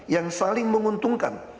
yang saling menguntungkan